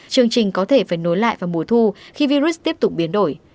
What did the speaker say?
chương trình có thể phải nối lại vào mùa thu khi virus tiếp tục biến đổi